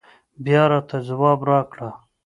بيا راته ځواب راکړه